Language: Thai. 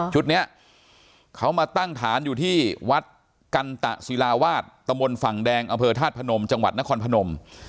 ชุดนี้เขามาตั้งฐานอยู่ที่วัดกันตะศิลาวาสตมฝั่งแดงอำเภอธาตุพนมจังหวัดนครพนม